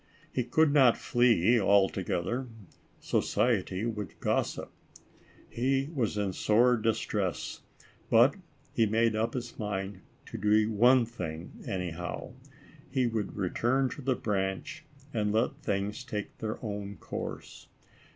He could not flee altogether. So ciety would gossip. He was in sore distress, but he made up his mind to do one thing anyhow. 50 ALICE ; OR, THE WAGES OF SIN. He would return to the Branch, and let things take their own course.